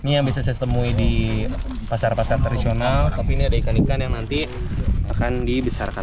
ini yang bisa saya temui di pasar pasar tradisional tapi ini ada ikan ikan yang nanti akan dibesarkan